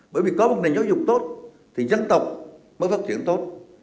bởi vì có một nền giáo dục tốt thì dân tộc mới phát triển tốt